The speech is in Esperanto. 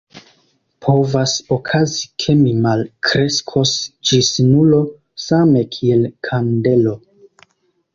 Povas okazi ke mi malkreskos ĝis nulo, same kiel kandelo.